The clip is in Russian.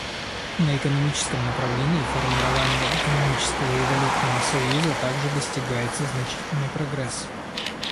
На экономическом направлении формирования экономического и валютного союза также достигается значительный прогресс.